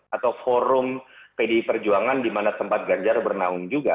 atau forum pdi perjuangan di mana tempat ganjar bernaung juga